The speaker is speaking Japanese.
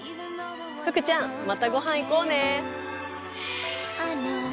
ふくちゃんまたご飯行こうね。